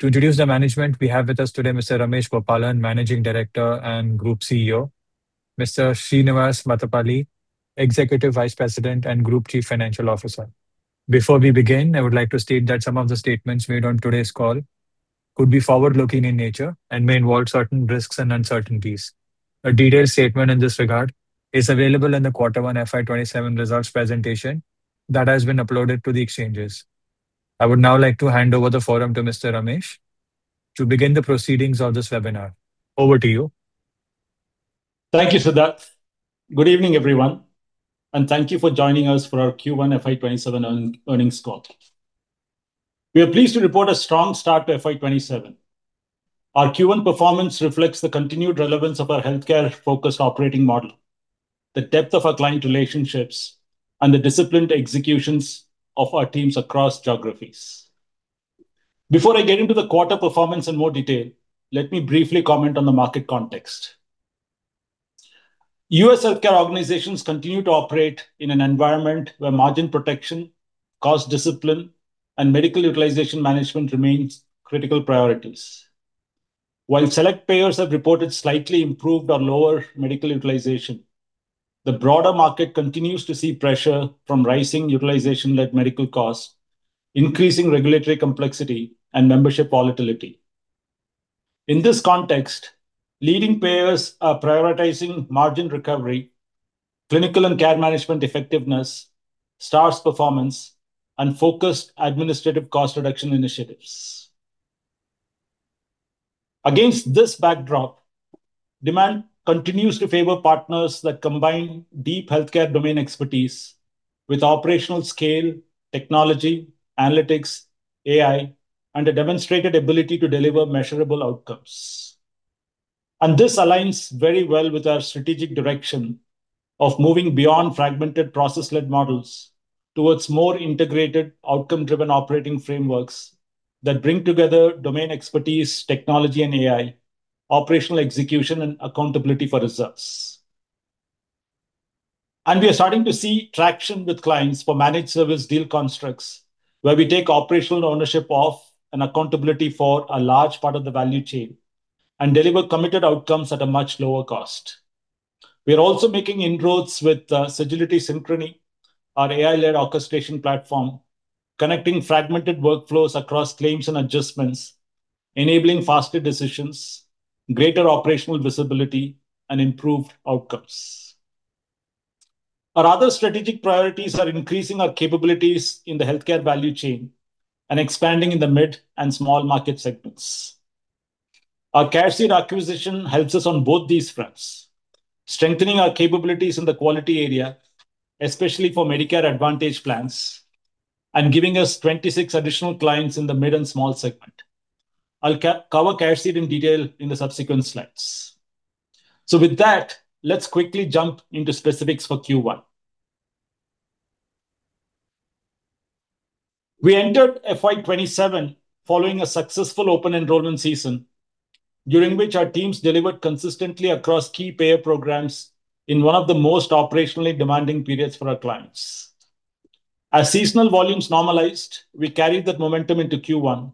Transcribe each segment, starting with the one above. To introduce the management we have with us today, Mr. Ramesh Gopalan, Managing Director and Group CEO. Mr. Srinivas Mattapalli, Executive Vice President and Group Chief Financial Officer. Before we begin, I would like to state that some of the statements made on today's call could be forward-looking in nature and may involve certain risks and uncertainties. A detailed statement in this regard is available in the quarter one FY 2027 results presentation that has been uploaded to the exchanges. I would now like to hand over the forum to Mr. Ramesh to begin the proceedings of this webinar. Over to you. Thank you, Siddharth. Good evening, everyone, and thank you for joining us for our Q1 FY 2027 earnings call. We are pleased to report a strong start to FY 2027. Our Q1 performance reflects the continued relevance of our healthcare-focused operating model, the depth of our client relationships, and the disciplined executions of our teams across geographies. Before I get into the quarter performance in more detail, let me briefly comment on the market context. U.S. healthcare organizations continue to operate in an environment where margin protection, cost discipline, and medical utilization management remains critical priorities. While select payers have reported slightly improved or lower medical utilization, the broader market continues to see pressure from rising utilization, like medical costs, increasing regulatory complexity, and membership volatility. In this context, leading payers are prioritizing margin recovery, clinical and care management effectiveness, stars performance, and focused administrative cost reduction initiatives. Against this backdrop, demand continues to favor partners that combine deep healthcare domain expertise with operational scale, technology, analytics, AI, and a demonstrated ability to deliver measurable outcomes. This aligns very well with our strategic direction of moving beyond fragmented process-led models towards more integrated, outcome-driven operating frameworks that bring together domain expertise, technology and AI, operational execution, and accountability for results. We are also making inroads with Sagility Synchrony, our AI-led orchestration platform, connecting fragmented workflows across claims and adjustments, enabling faster decisions, greater operational visibility, and improved outcomes. Our other strategic priorities are increasing our capabilities in the healthcare value chain and expanding in the mid- and small-market segments. Our CareSeed acquisition helps us on both these fronts, strengthening our capabilities in the quality area, especially for Medicare Advantage plans, and giving us 26 additional clients in the mid- and small-segment. I'll cover CareSeed in detail in the subsequent slides. With that, let's quickly jump into specifics for Q1. We entered FY 2027 following a successful open enrollment season, during which our teams delivered consistently across key payer programs in one of the most operationally demanding periods for our clients. As seasonal volumes normalized, we carried that momentum into Q1.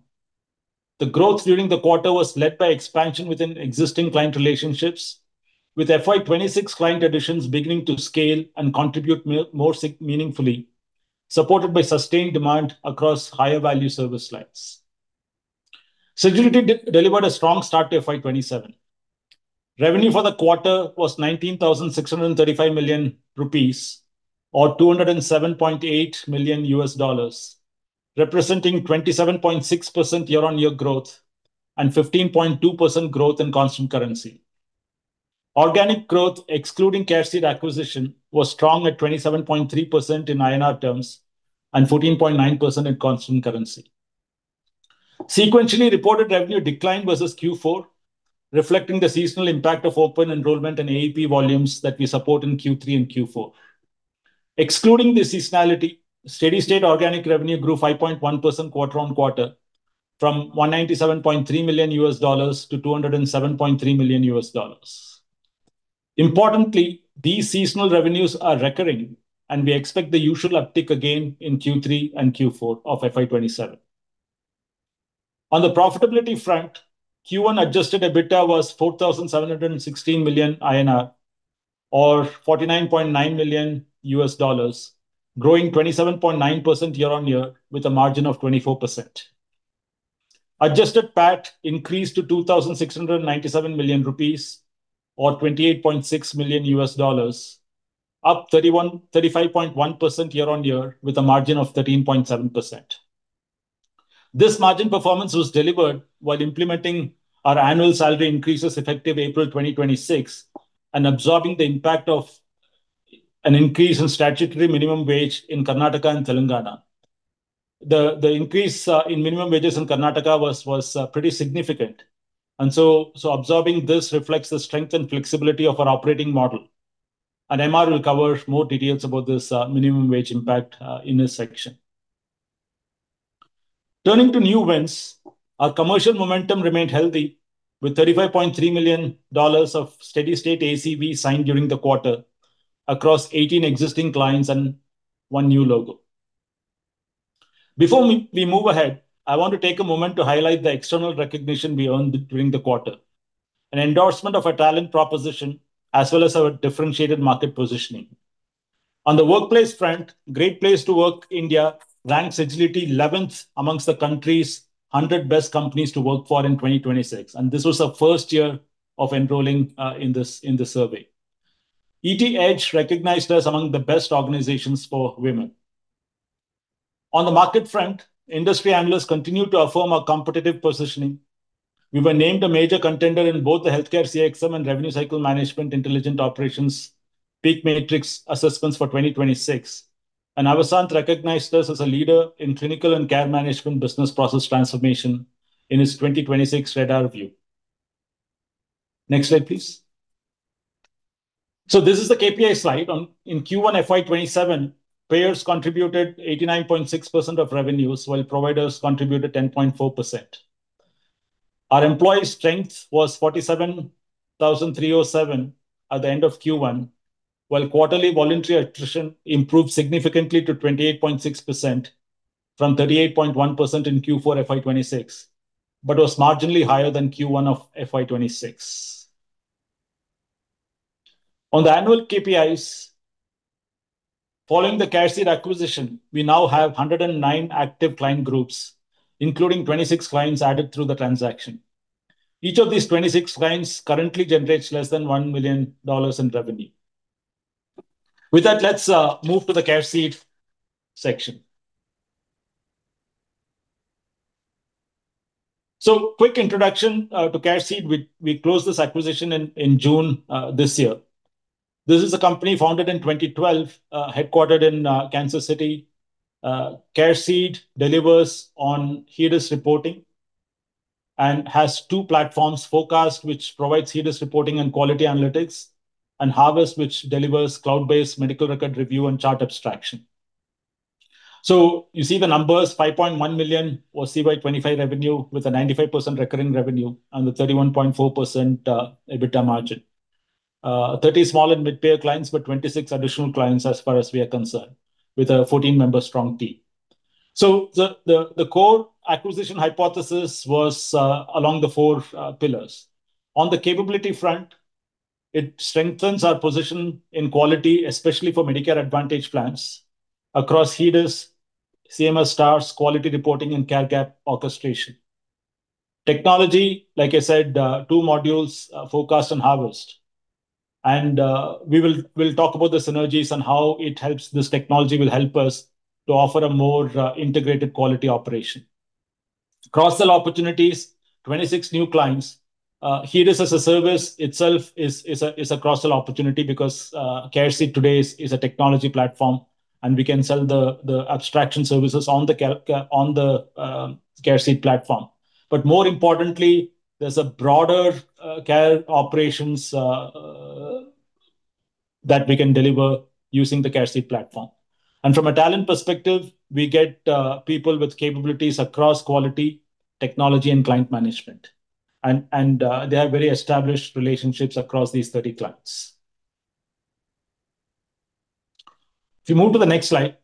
The growth during the quarter was led by expansion within existing client relationships, with FY 2026 client additions beginning to scale and contribute more meaningfully, supported by sustained demand across higher value service lines. Sagility delivered a strong start to FY 2027. Revenue for the quarter was 19,635 million rupees, or $207.8 million, representing 27.6% year-on-year growth and 15.2% growth in constant currency. Organic growth, excluding CareSeed acquisition, was strong at 27.3% in INR terms and 14.9% in constant currency. Sequentially reported revenue declined versus Q4, reflecting the seasonal impact of open enrollment and AEP volumes that we support in Q3 and Q4. Excluding the seasonality, steady state organic revenue grew 5.1% quarter-on-quarter from $197.3 million to $207.3 million. Importantly, these seasonal revenues are recurring, and we expect the usual uptick again in Q3 and Q4 of FY 2027. On the profitability front, Q1 adjusted EBITDA was 4,716 million INR, or $49.9 million, growing 27.9% year-on-year with a margin of 24%. Adjusted PAT increased to 2,697 million rupees, or $28.6 million, up 35.1% year-on-year with a margin of 13.7%. This margin performance was delivered while implementing our annual salary increases effective April 2026 and absorbing the impact of an increase in statutory minimum wage in Karnataka and Telangana. The increase in minimum wages in Karnataka was pretty significant, so absorbing this reflects the strength and flexibility of our operating model. MR will cover more details about this minimum wage impact in his section. Turning to new wins, our commercial momentum remained healthy with $35.3 million of steady state ACV signed during the quarter across 18 existing clients and one new logo. Before we move ahead, I want to take a moment to highlight the external recognition we earned during the quarter, an endorsement of our talent proposition, as well as our differentiated market positioning. On the workplace front, Great Place to Work India ranks Sagility 11th amongst the country's 100 best companies to work for in 2026, this was our first year of enrolling in the survey. ET Edge recognized us among the best organizations for women. On the market front, industry analysts continue to affirm our competitive positioning. We were named a major contender in both the Healthcare CXM and Revenue Cycle Management Intelligent Operations PEAK Matrix assessments for 2026. Avasant recognized us as a leader in clinical and care management business process transformation in its 2026 RadarView. Next slide, please. This is the KPI slide. In Q1 FY 2027, payers contributed 89.6% of revenues, while providers contributed 10.4%. Our employee strength was 47,307 at the end of Q1, while quarterly voluntary attrition improved significantly to 28.6% from 38.1% in Q4 FY 2026, but was marginally higher than Q1 of FY 2026. On the annual KPIs, following the CareSeed acquisition, we now have 109 active client groups, including 26 clients added through the transaction. Each of these 26 clients currently generates less than $1 million in revenue. With that, let's move to the CareSeed section. Quick introduction to CareSeed. We closed this acquisition in June this year. This is a company founded in 2012, headquartered in Kansas City. CareSeed delivers on HEDIS reporting and has two platforms, Forecast, which provides HEDIS reporting and quality analytics, and Harvest, which delivers cloud-based medical record review and chart abstraction. You see the numbers, $5.1 million was CY 2025 revenue with a 95% recurring revenue and a 31.4% EBITDA margin. 30 small-and mid-payer clients, but 26 additional clients as far as we are concerned, with a 14-member strong team. The core acquisition hypothesis was along the four pillars. On the capability front, it strengthens our position in quality, especially for Medicare Advantage plans across HEDIS, CMS Stars, quality reporting, and care gap orchestration. Technology, like I said, two modules, Forecast and Harvest. We'll talk about the synergies and how this technology will help us to offer a more integrated quality operation. Cross-sell opportunities, 26 new clients. HEDIS as a service itself is a cross-sell opportunity because CareSeed today is a technology platform, and we can sell the abstraction services on the CareSeed platform. More importantly, there's a broader care operations that we can deliver using the CareSeed platform. From a talent perspective, we get people with capabilities across quality, technology, and client management. They are very established relationships across these 30 clients. If you move to the next slide.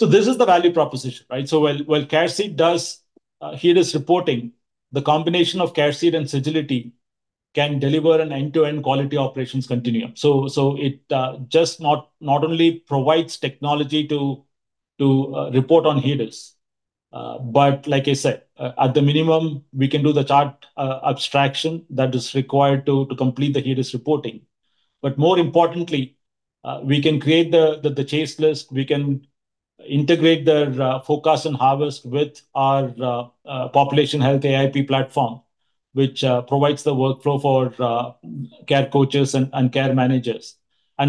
This is the value proposition, right? While CareSeed does HEDIS reporting, the combination of CareSeed and Sagility can deliver an end-to-end quality operations continuum. It just not only provides technology to report on HEDIS, but like I said, at the minimum, we can do the chart abstraction that is required to complete the HEDIS reporting. More importantly, we can create the chase list. We can integrate their Forecast and Harvest with our population health AIP platform, which provides the workflow for care coaches and care managers.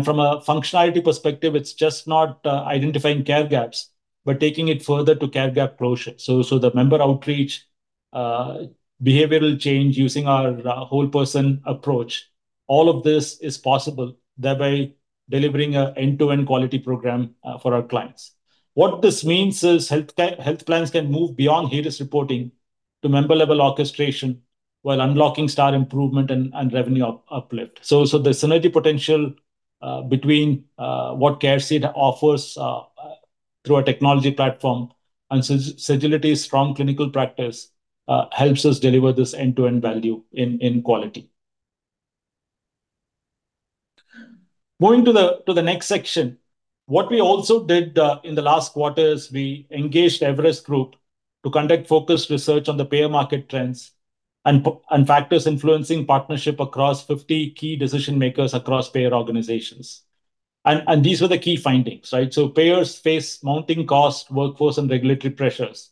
From a functionality perspective, it's just not identifying care gaps, but taking it further to care gap closure. The member outreach, behavioral change, using our whole person approach, all of this is possible, thereby delivering an end-to-end quality program for our clients. What this means is health plans can move beyond HEDIS reporting to member-level orchestration while unlocking star improvement and revenue uplift. The synergy potential between what CareSeed offers through a technology platform and Sagility's strong clinical practice helps us deliver this end-to-end value in quality. Going to the next section. What we also did in the last quarter is we engaged Everest Group to conduct focus research on the payer market trends and factors influencing partnership across 50 key decision-makers across payer organizations. These were the key findings. Payers face mounting cost, workforce, and regulatory pressures.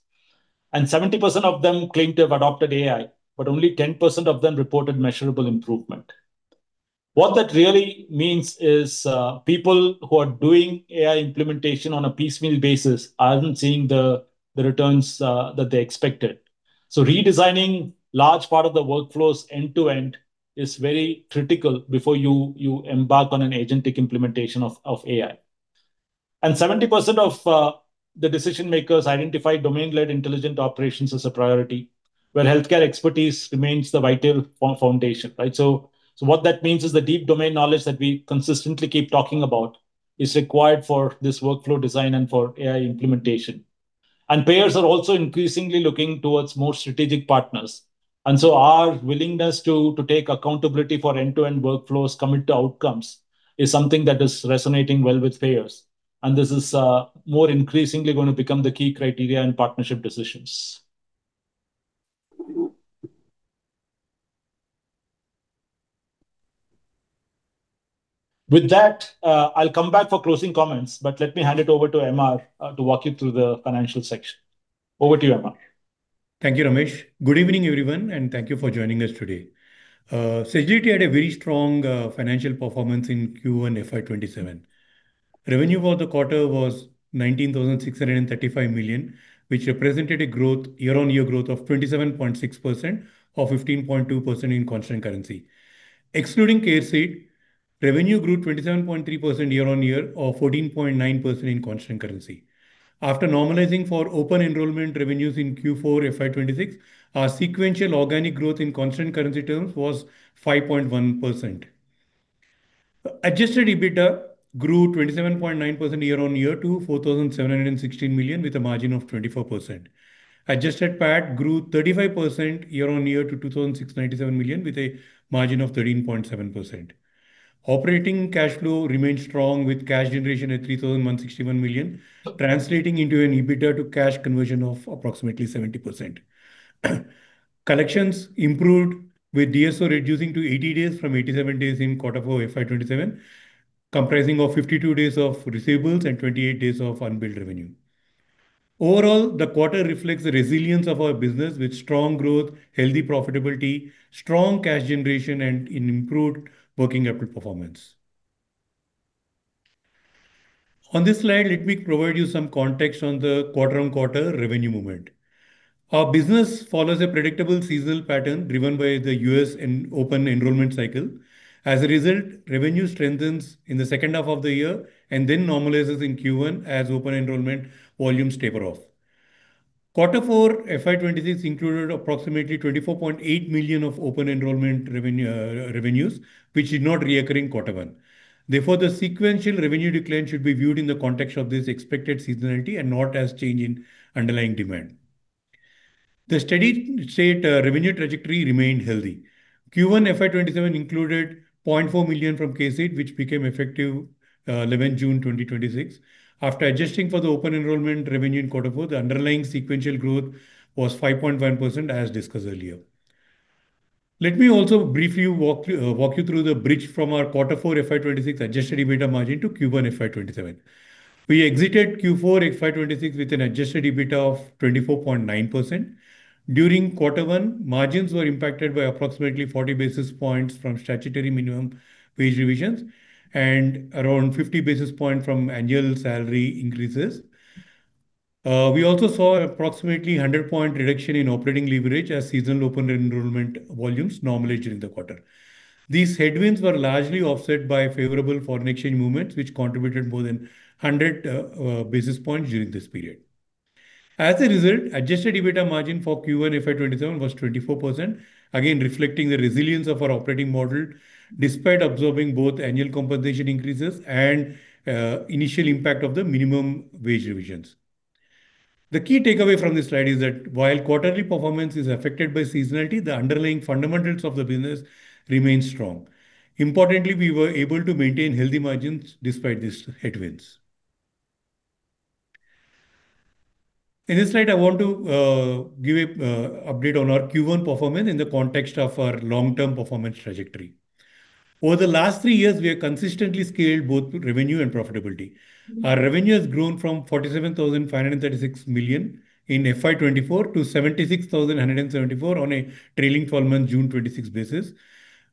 70% of them claim to have adopted AI, but only 10% of them reported measurable improvement. What that really means is people who are doing AI implementation on a piecemeal basis aren't seeing the returns that they expected. Redesigning large part of the workflows end-to-end is very critical before you embark on an agentic implementation of AI. 70% of the decision-makers identify domain-led intelligent operations as a priority, where healthcare expertise remains the vital foundation, right? What that means is the deep domain knowledge that we consistently keep talking about is required for this workflow design and for AI implementation. Payers are also increasingly looking towards more strategic partners. Our willingness to take accountability for end-to-end workflows, commit to outcomes, is something that is resonating well with payers, and this is more increasingly going to become the key criteria in partnership decisions. With that, I'll come back for closing comments, but let me hand it over to MR to walk you through the financial section. Over to you, MR. Thank you, Ramesh. Good evening, everyone, and thank you for joining us today. Sagility had a very strong financial performance in Q1 FY 2027. Revenue for the quarter was 19,635 million, which represented a year-on-year growth of 27.6%, or 15.2% in constant currency. Excluding CareSeed, revenue grew 27.3% year-on-year, or 14.9% in constant currency. After normalizing for open enrollment revenues in Q4 FY 2026, our sequential organic growth in constant currency terms was 5.1%. Adjusted EBITDA grew 27.9% year-on-year to 4,716 million, with a margin of 24%. Adjusted PAT grew 35% year-on-year to 2,697 million, with a margin of 13.7%. Operating cash flow remained strong, with cash generation at 3,161 million, translating into an EBITDA-to-cash conversion of approximately 70%. Collections improved, with DSO reducing to 80 days from 87 days in quarter four FY 2027, comprising of 52 days of receivables and 28 days of unbilled revenue. Overall, the quarter reflects the resilience of our business with strong growth, healthy profitability, strong cash generation, and an improved working capital performance. On this slide, let me provide you some context on the quarter-on-quarter revenue movement. Our business follows a predictable seasonal pattern driven by the U.S. open enrollment cycle. As a result, revenue strengthens in the second half of the year and then normalizes in Q1 as open enrollment volumes taper off. Quarter four FY 2026 included approximately $24.8 million of open enrollment revenues, which is not recurring quarter one. The sequential revenue decline should be viewed in the context of this expected seasonality and not as change in underlying demand. The steady-state revenue trajectory remained healthy. Q1 FY 2027 included $0.4 million from CareSeed, which became effective 11 June, 2026. After adjusting for the open enrollment revenue in quarter four, the underlying sequential growth was 5.1%, as discussed earlier. Let me also briefly walk you through the bridge from our quarter four FY 2026 adjusted EBITDA margin to Q1 FY 2027. We exited Q4 FY 2026 with an adjusted EBITDA of 24.9%. During quarter one, margins were impacted by approximately 40 basis points from statutory minimum wage revisions and around 50 basis points from annual salary increases. We also saw approximately 100 basis point reduction in operating leverage as seasonal open enrollment volumes normalized during the quarter. These headwinds were largely offset by favorable foreign exchange movements, which contributed more than 100 basis points during this period. Adjusted EBITDA margin for Q1 FY 2027 was 24%, again reflecting the resilience of our operating model despite absorbing both annual compensation increases and initial impact of the minimum wage revisions. The key takeaway from this slide is that while quarterly performance is affected by seasonality, the underlying fundamentals of the business remain strong. Importantly, we were able to maintain healthy margins despite these headwinds. In this slide, I want to give an update on our Q1 performance in the context of our long-term performance trajectory. Over the last three years, we have consistently scaled both revenue and profitability. Our revenue has grown from 47,536 million in FY 2024 to 76,174 million on a trailing 12-month June 2026 basis,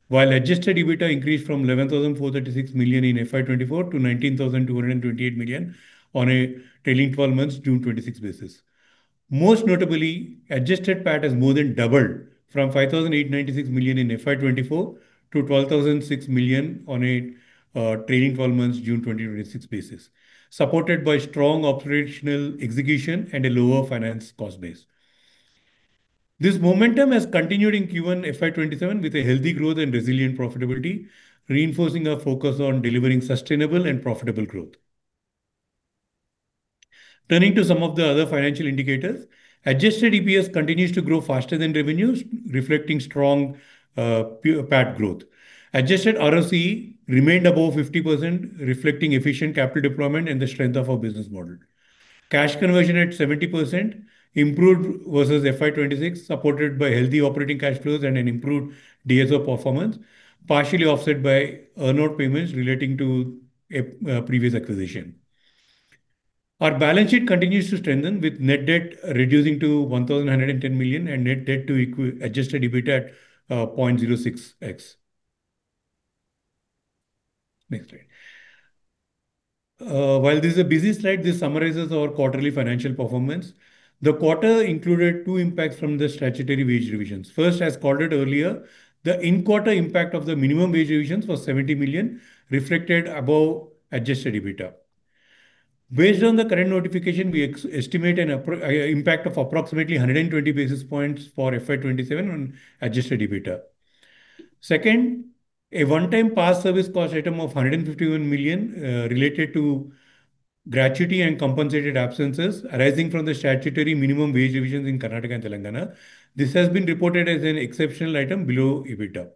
while adjusted EBITDA increased from 11,436 million in FY 2024 to 19,228 million on a trailing 12-months June 2026 basis. Most notably, adjusted PAT has more than doubled from 5,896 million in FY 2024 to 12,006 million on a trailing 12-months June 2026 basis, supported by strong operational execution and a lower finance cost base. This momentum has continued in Q1 FY 2027 with a healthy growth and resilient profitability, reinforcing our focus on delivering sustainable and profitable growth. Turning to some of the other financial indicators, adjusted EPS continues to grow faster than revenues, reflecting strong PAT growth. Adjusted ROCE remained above 50%, reflecting efficient capital deployment and the strength of our business model. Cash conversion at 70% improved versus FY 2026, supported by healthy operating cash flows and an improved DSO performance, partially offset by earnout payments relating to a previous acquisition. Our balance sheet continues to strengthen, with net debt reducing to 1,110 million and net debt-to-adjusted EBITDA at 0.06x. Next slide. While this is a busy slide, this summarizes our quarterly financial performance. The quarter included two impacts from the statutory wage revisions. As called out earlier, the in-quarter impact of the minimum wage revisions was 70 million, reflected above adjusted EBITDA. Based on the current notification, we estimate an impact of approximately 120 basis points for FY 2027 on adjusted EBITDA. A one-time past service cost item of 151 million related to gratuity and compensated absences arising from the statutory minimum wage revisions in Karnataka and Telangana. This has been reported as an exceptional item below EBITDA.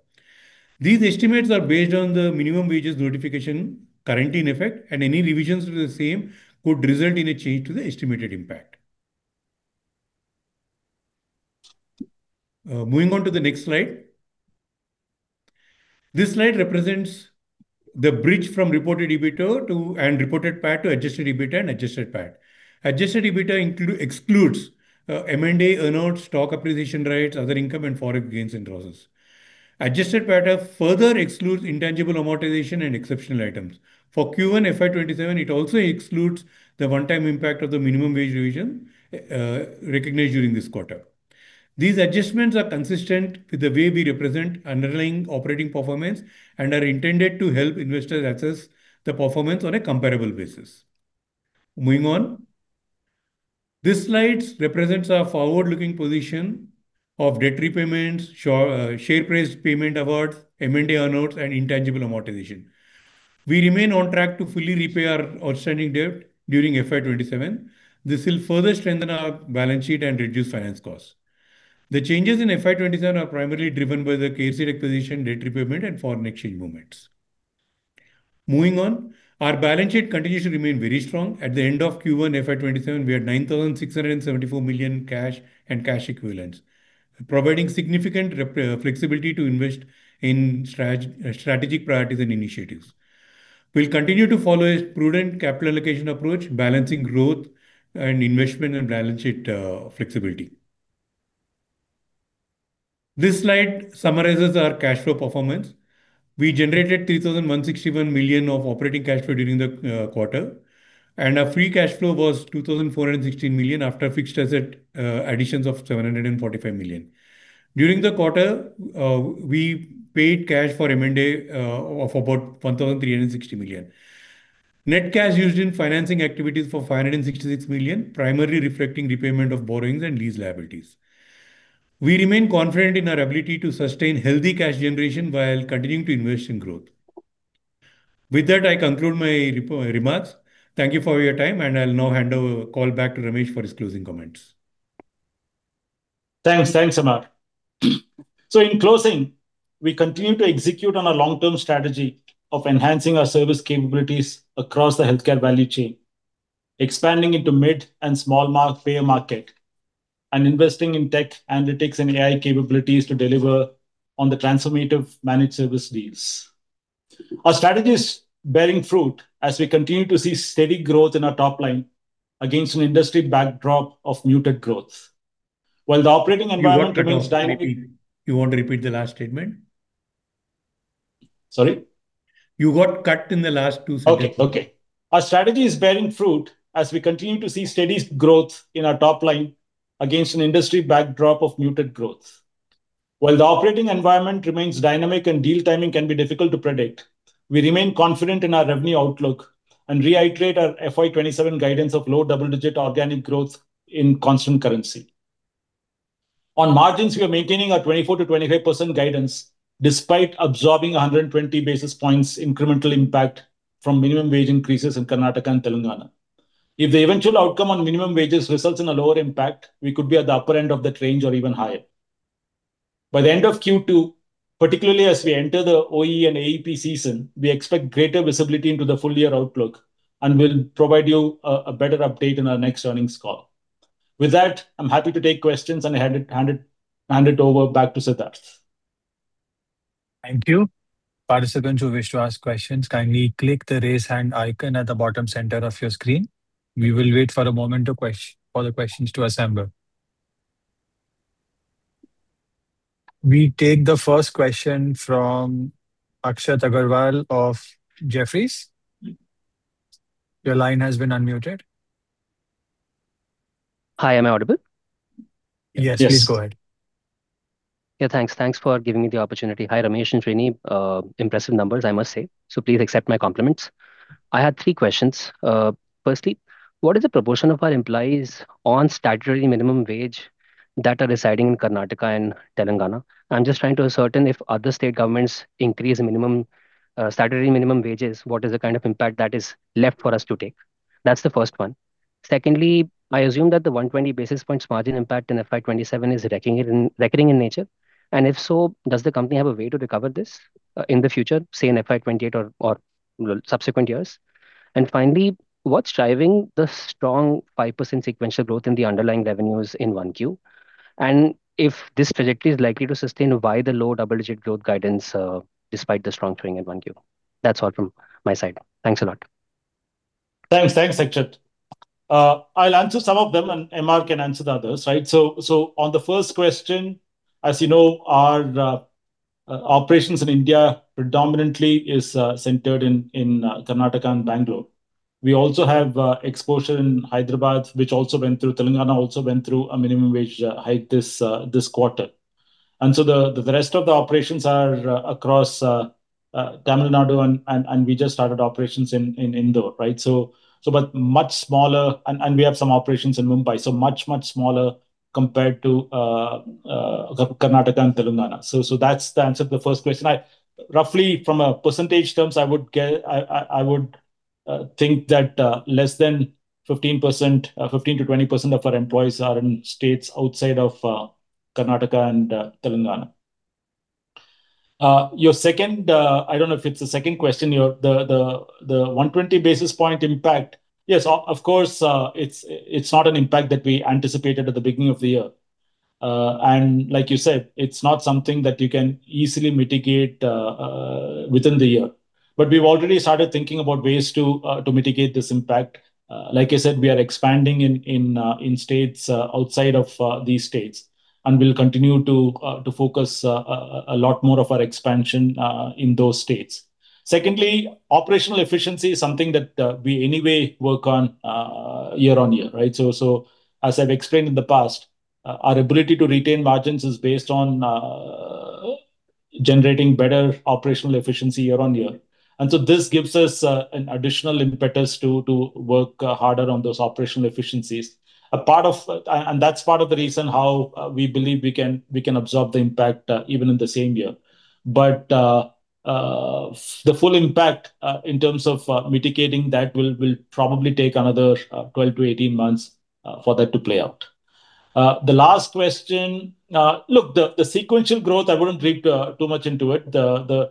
These estimates are based on the minimum wages notification currently in effect, and any revisions to the same could result in a change to the estimated impact. Moving on to the next slide. This slide represents the bridge from reported EBITDA and reported PAT to adjusted EBITDA and adjusted PAT. Adjusted EBITDA excludes M&A earnouts, stock appreciation rights, other income, and foreign gains and losses. Adjusted PAT further excludes intangible amortization and exceptional items. For Q1 FY 2027, it also excludes the one-time impact of the minimum wage revision recognized during this quarter. These adjustments are consistent with the way we represent underlying operating performance and are intended to help investors assess the performance on a comparable basis. Moving on. This slide represents our forward-looking position of debt repayments, share-based payment awards, M&A earnouts and intangible amortization. We remain on track to fully repay our outstanding debt during FY 2027. This will further strengthen our balance sheet and reduce finance costs. The changes in FY 2027 are primarily driven by the CareSeed acquisition debt repayment and foreign exchange movements. Moving on. Our balance sheet continues to remain very strong. At the end of Q1 FY 2027, we had 9,674 million cash and cash equivalents, providing significant flexibility to invest in strategic priorities and initiatives. We'll continue to follow a prudent capital allocation approach, balancing growth and investment and balance sheet flexibility. This slide summarizes our cash flow performance. We generated 3,161 million of operating cash flow during the quarter, and our free cash flow was 2,416 million after fixed asset additions of 745 million. During the quarter, we paid cash for M&A of about 1,360 million. Net cash used in financing activities for 566 million, primarily reflecting repayment of borrowings and lease liabilities. We remain confident in our ability to sustain healthy cash generation while continuing to invest in growth. With that, I conclude my remarks. Thank you for your time, and I'll now hand the call back to Ramesh for his closing comments. Thanks, MR. In closing, we continue to execute on our long-term strategy of enhancing our service capabilities across the healthcare value chain, expanding into mid- and small-payer market, and investing in tech, analytics and AI capabilities to deliver on the transformative managed service deals. Our strategy is bearing fruit as we continue to see steady growth in our top-line against an industry backdrop of muted growth. While the operating environment remains dynamic- You want to repeat the last statement? Sorry? You got cut in the last two seconds. Okay. Our strategy is bearing fruit as we continue to see steady growth in our top-line against an industry backdrop of muted growth. While the operating environment remains dynamic and deal timing can be difficult to predict, we remain confident in our revenue outlook and reiterate our FY 2027 guidance of low double-digit organic growth in constant currency. On margins, we are maintaining our 24%-25% guidance despite absorbing 120 basis points incremental impact from minimum wage increases in Karnataka and Telangana. If the eventual outcome on minimum wages results in a lower impact, we could be at the upper end of that range or even higher. By the end of Q2, particularly as we enter the OE and AEP season, we expect greater visibility into the full-year outlook and will provide you a better update in our next earnings call. With that, I'm happy to take questions, hand it over back to Siddharth. Thank you. Participants who wish to ask questions, kindly click the Raise Hand icon at the bottom center of your screen. We will wait for a moment for the questions to assemble. We take the first question from Akshat Agarwal of Jefferies. Your line has been unmuted. Hi, am I audible? Yes, please go ahead. Thanks. Thanks for giving me the opportunity. Hi, Ramesh and Srini. Impressive numbers, I must say. Please accept my compliments. I had three questions. Firstly, what is the proportion of our employees on statutory minimum wage that are residing in Karnataka and Telangana? I'm just trying to ascertain if other state governments increase minimum statutory minimum wages, what is the kind of impact that is left for us to take? That's the first one. Secondly, I assume that the 120 basis points margin impact in FY 2027 is recurring in nature. If so, does the company have a way to recover this in the future, say in FY 2028 or subsequent years? Finally, what's driving the strong 5% sequential growth in the underlying revenues in 1Q? If this trajectory is likely to sustain, why the low double-digit growth guidance despite the strong showing in 1Q? That's all from my side. Thanks a lot. Thanks, Akshat. I'll answer some of them, MR can answer the others, right? On the first question, as you know, our operations in India predominantly is centered in Karnataka and Bangalore. We also have exposure in Hyderabad, which also went through Telangana, also went through a minimum wage hike this quarter. The rest of the operations are across Tamil Nadu, we just started operations in Indore. Much smaller. We have some operations in Mumbai. Much, much smaller compared to Karnataka and Telangana. That's the answer to the first question. Roughly from a percentage terms, I would think that less than 15%-20% of our employees are in states outside of Karnataka and Telangana. Your second, I don't know if it's the second question, the 120 basis point impact. Yes, of course, it's not an impact that we anticipated at the beginning of the year. Like you said, it's not something that you can easily mitigate within the year. We've already started thinking about ways to mitigate this impact. Like I said, we are expanding in states outside of these states, we'll continue to focus a lot more of our expansion in those states. Secondly, operational efficiency is something that we anyway work on year-on-year, right? As I've explained in the past, our ability to retain margins is based on generating better operational efficiency year-on-year. This gives us an additional impetus to work harder on those operational efficiencies. That's part of the reason how we believe we can absorb the impact even in the same year. The full impact in terms of mitigating that will probably take another 12-18 months for that to play out. The last question. Look, the sequential growth, I wouldn't read too much into it. The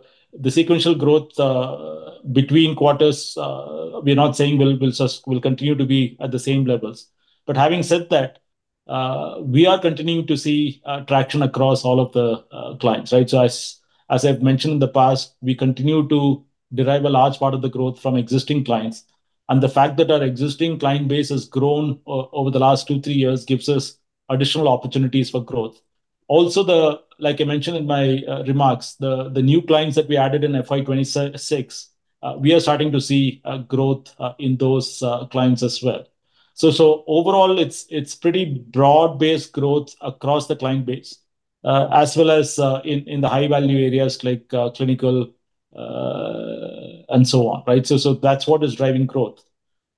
sequential growth between quarters, we're not saying will continue to be at the same levels. Having said that, we are continuing to see traction across all of the clients. As I've mentioned in the past, we continue to derive a large part of the growth from existing clients. And the fact that our existing client base has grown over the last two, three years gives us additional opportunities for growth. Also, like I mentioned in my remarks, the new clients that we added in FY 2026, we are starting to see growth in those clients as well. Overall, it's pretty broad-based growth across the client base, as well as in the high-value areas like clinical and so on. That's what is driving growth.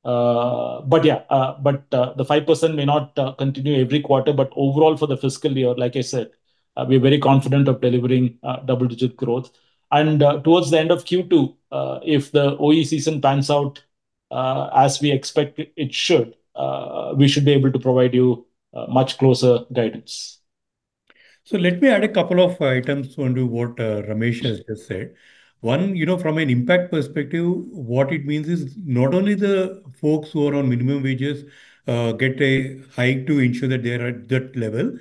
The 5% may not continue every quarter. Overall, for the fiscal year, like I said, we're very confident of delivering double-digit growth. Towards the end of Q2, if the OE season pans out as we expect it should, we should be able to provide you much closer guidance. Let me add a couple of items onto what Ramesh has just said. One, from an impact perspective, what it means is not only the folks who are on minimum wages get a hike to ensure that they are at that level.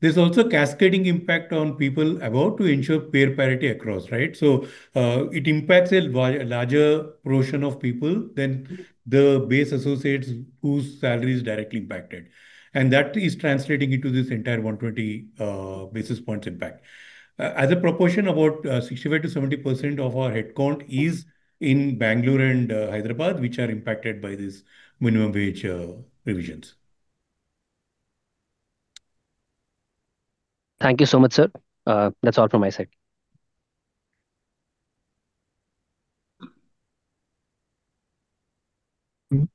There's also cascading impact on people about to ensure pay parity across, right? It impacts a larger portion of people than the base associates whose salary is directly impacted, and that is translating into this entire 120 basis points impact. As a proportion, about 65%-70% of our headcount is in Bangalore and Hyderabad, which are impacted by these minimum wage revisions. Thank you so much, sir. That's all from my side.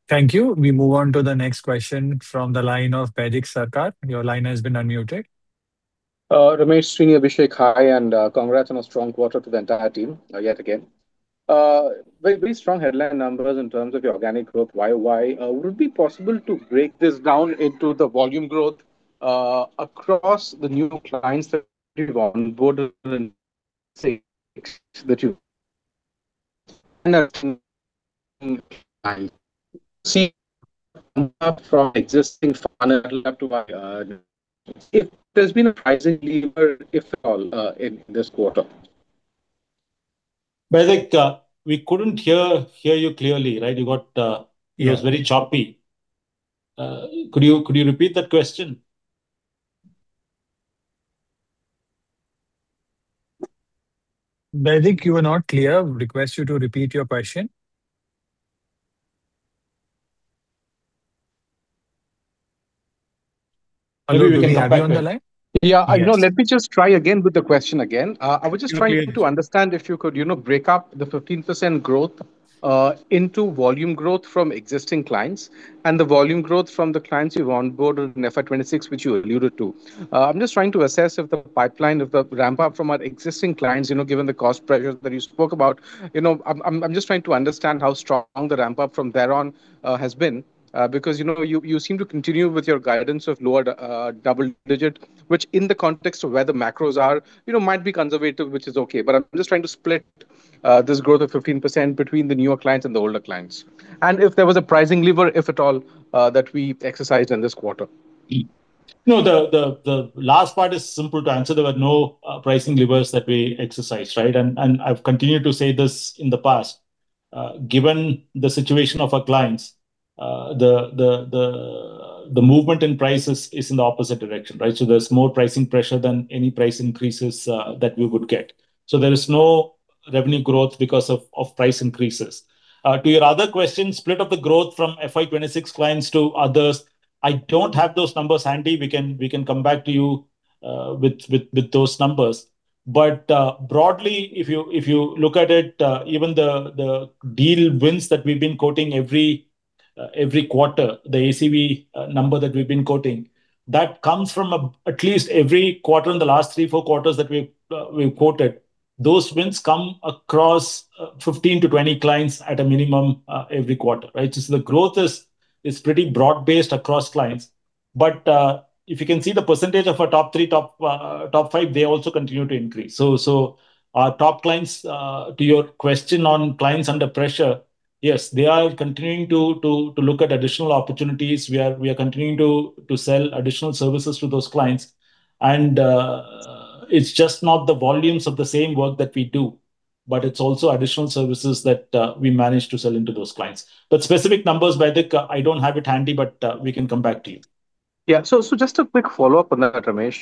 Thank you. We move on to the next question from the line of Baidik Sarkar. Your line has been unmuted. Ramesh, Srini, Abhishek, hi. Congrats on a strong quarter to the entire team yet again. Very strong headline numbers in terms of your organic growth Y-o-Y. Would it be possible to break this down into the volume growth across the new clients [inaudible] Baidik, we couldn't hear you clearly. It was very choppy. Could you repeat that question? Baidik, you were not clear. Request you to repeat your question. Hello, we can hear you. Are you on the line? Yeah. No, let me just try again with the question again. Okay. I was just trying to understand if you could break up the 15% growth into volume growth from existing clients and the volume growth from the clients you have onboarded in FY 2026, which you alluded to. I am just trying to assess if the pipeline of the ramp-up from our existing clients, given the cost pressures that you spoke about. I am just trying to understand how strong the ramp-up from thereon has been. Because you seem to continue with your guidance of lower double-digit, which in the context of where the macros are, might be conservative, which is okay. I am just trying to split this growth of 15% between the newer clients and the older clients, and if there was a pricing lever, if at all, that we exercised in this quarter. No, the last part is simple to answer. There were no pricing levers that we exercised. I've continued to say this in the past. Given the situation of our clients, the movement in prices is in the opposite direction. There's more pricing pressure than any price increases that we would get. There is no revenue growth because of price increases. To your other question, split up the growth from FY 2026 clients to others. I don't have those numbers handy. We can come back to you with those numbers. Broadly, if you look at it, even the deal wins that we've been quoting every quarter, the ACV number that we've been quoting, that comes from at least every quarter in the last three, four quarters that we've quoted. Those wins come across 15-20 clients at a minimum every quarter. Right? The growth is pretty broad-based across clients. If you can see the percentage of our top three, top five, they also continue to increase. Our top clients, to your question on clients under pressure, yes, they are continuing to look at additional opportunities. We are continuing to sell additional services to those clients. It's just not the volumes of the same work that we do, but it's also additional services that we manage to sell into those clients. Specific numbers, Baidik, I don't have it handy, but we can come back to you. Yeah. Just a quick follow-up on that, Ramesh.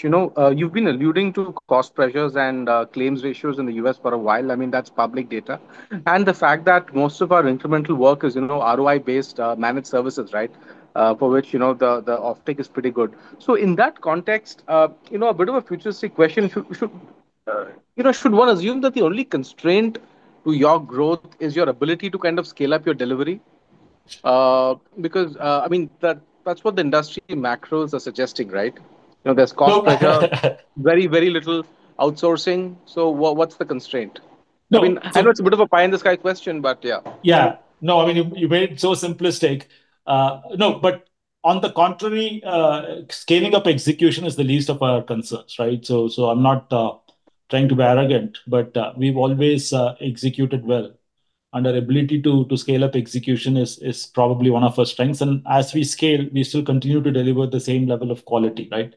You've been alluding to cost pressures and claims ratios in the U.S. for a while. That's public data. The fact that most of our incremental work is ROI-based managed services, right? For which the offtake is pretty good. In that context, a bit of a futuristic question. Should one assume that the only constraint to your growth is your ability to scale up your delivery? That's what the industry macros are suggesting, right? No. very, very little outsourcing. What's the constraint? No, I know it's a bit of a pie in the sky question, yeah. Yeah. No, you made it so simplistic. No, on the contrary, scaling up execution is the least of our concerns, right? I'm not trying to be arrogant, but we've always executed well. Our ability to scale up execution is probably one of our strengths. As we scale, we still continue to deliver the same level of quality, right?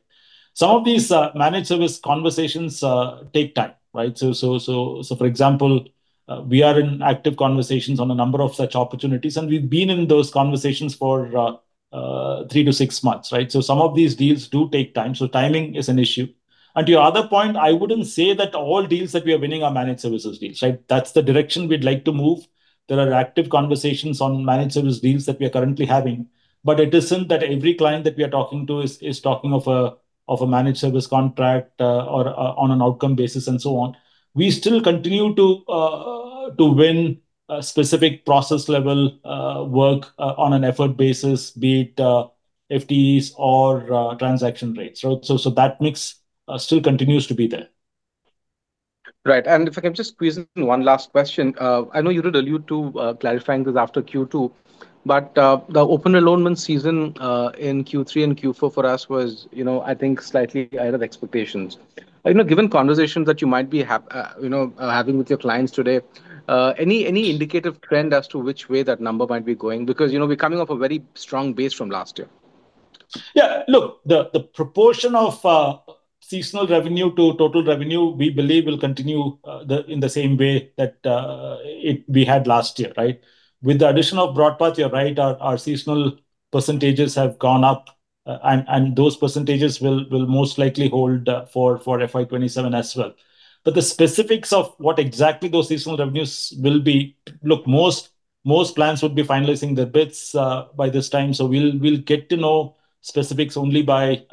Some of these managed service conversations take time, right? For example, we are in active conversations on a number of such opportunities, and we've been in those conversations for three to six months, right? Some of these deals do take time, so timing is an issue. To your other point, I wouldn't say that all deals that we are winning are managed services deals, right? That's the direction we'd like to move. There are active conversations on managed service deals that we are currently having. It isn't that every client that we are talking to is talking of a managed service contract or on an outcome basis and so on. We still continue to win specific process-level work on an effort basis, be it FTEs or transaction rates. That mix still continues to be there. Right. If I can just squeeze in one last question. I know you did allude to clarifying this after Q2. The open enrollment season in Q3 and Q4 for us was, I think, slightly out of expectations. Given conversations that you might be having with your clients today, any indicative trend as to which way that number might be going? Because we're coming off a very strong base from last year. Look, the proportion of seasonal revenue to total revenue, we believe, will continue in the same way that we had last year, right? With the addition of BroadPath, you're right, our seasonal percentages have gone up. Those percentages will most likely hold for FY 2027 as well. The specifics of what exactly those seasonal revenues will be, look, most plans would be finalizing their bids by this time. We'll get to know specifics only by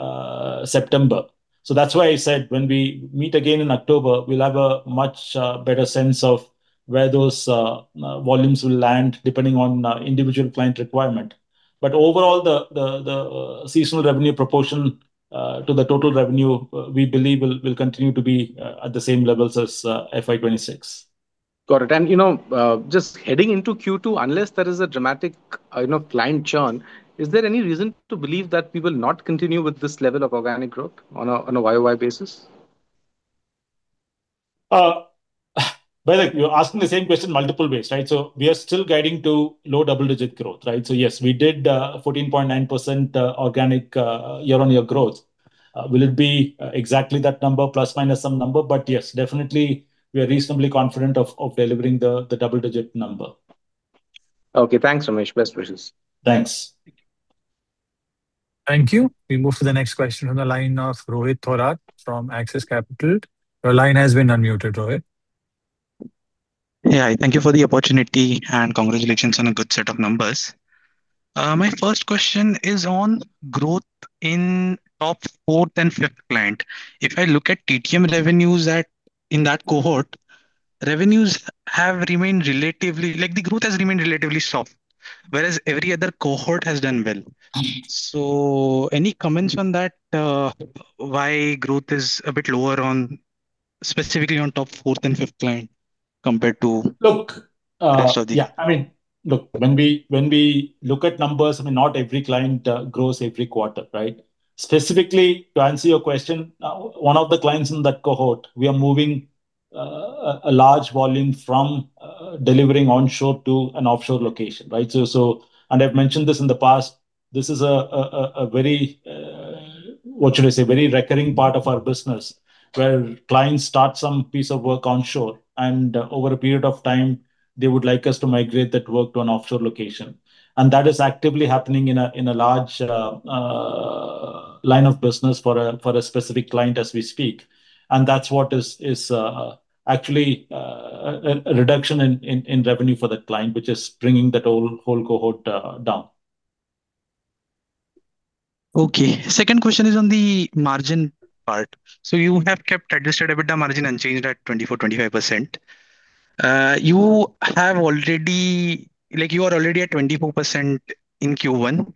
September. That's why I said when we meet again in October, we'll have a much better sense of where those volumes will land, depending on individual client requirement. Overall, the seasonal revenue proportion to the total revenue, we believe, will continue to be at the same levels as FY 2026. Got it. Just heading into Q2, unless there is a dramatic client churn, is there any reason to believe that we will not continue with this level of organic growth on a Y-o-Y basis? Baidik, you're asking the same question multiple ways, right? We are still guiding to low double-digit growth, right? Yes, we did 14.9% organic year-on-year growth. Will it be exactly that number, plus, minus some number? Yes, definitely, we are reasonably confident of delivering the double-digit number. Okay. Thanks, Ramesh. Best wishes. Thanks. Thank you. We move to the next question on the line of Rohit Thorat from Axis Capital. Your line has been unmuted, Rohit. Thank you for the opportunity, and congratulations on a good set of numbers. My first question is on growth in top fourth and fifth client. If I look at TTM revenues in that cohort, revenues have remained relatively, like, the growth has remained relatively soft, whereas every other cohort has done well. Any comments on that? Why growth is a bit lower on specifically on top fourth and fifth client compared to? Look- rest of the- Yeah. Look, when we look at numbers, not every client grows every quarter. Right? Specifically, to answer your question, one of the clients in that cohort, we are moving a large volume from delivering onshore to an offshore location, right? I've mentioned this in the past, this is a very, what should I say, very recurring part of our business where clients start some piece of work onshore, and over a period of time, they would like us to migrate that work to an offshore location. That is actively happening in a large line of business for a specific client as we speak. That's what is actually a reduction in revenue for the client, which is bringing that whole cohort down. Okay. Second question is on the margin part. You have kept adjusted EBITDA margin unchanged at 24%-25%. You are already at 24% in Q1.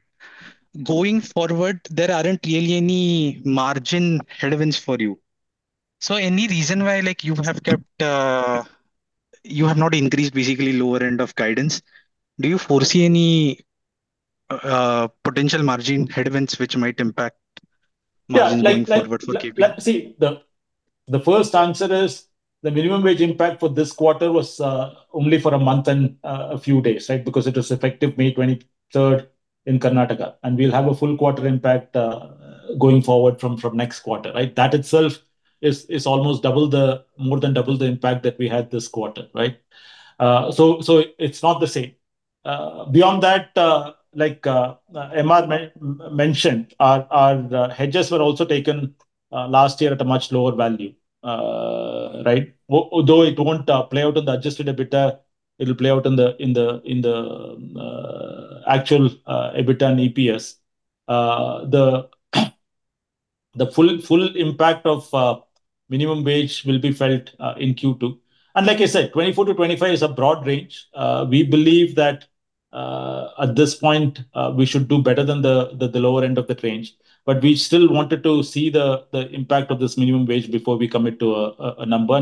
Going forward, there aren't really any margin headwinds for you. Any reason why you have not increased basically lower end of guidance? Do you foresee any potential margin headwinds which might impact- Yeah margin going forward for keeping- The first answer is the minimum wage impact for this quarter was only for a month and a few days, right? It was effective May 23rd in Karnataka. We'll have a full quarter impact, going forward from next quarter, right? That itself is almost more than double the impact that we had this quarter, right? It's not the same. Beyond that, like MR mentioned, our hedges were also taken last year at a much lower value. Right? Although it won't play out in the adjusted EBITDA, it'll play out in the actual EBITDA and EPS. The full impact of minimum wage will be felt in Q2. Like I said, 24% to 25% is a broad range. We believe that at this point, we should do better than the lower end of that range. We still wanted to see the impact of this minimum wage before we commit to a number.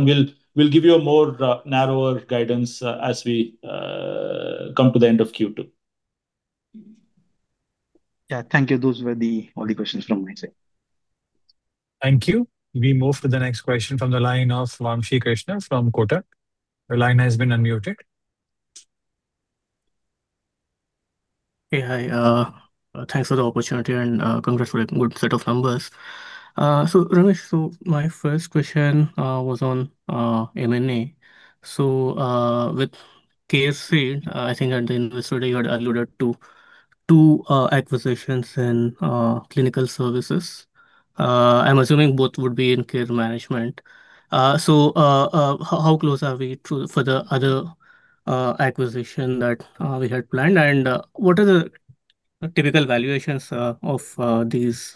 We'll give you a more narrower guidance as we come to the end of Q2. Thank you. Those were all the questions from my side. Thank you. We move to the next question from the line of Vamshi Krishna from Kotak. Your line has been unmuted. Hey. Hi. Thanks for the opportunity, and congrats for a good set of numbers. Ramesh, my first question was on M&A. With CareSeed, I think in this study you had alluded to two acquisitions in clinical services. I'm assuming both would be in care management. How close are we for the other acquisition that we had planned, and what are the typical valuations of these